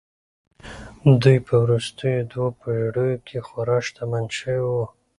دوی په وروستیو دوو پېړیو کې خورا شتمن شوي وو